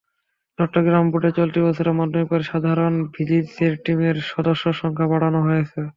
চট্টগ্রাম বোর্ডে চলতি বছরের মাধ্যমিক পরীক্ষায় সাধারণ ভিজিলেন্স টিমের সদস্যসংখ্যা বাড়ানো হয়েছে।